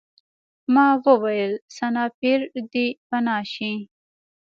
ما وویل سنایپر دی پناه شئ